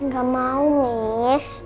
gak mau mis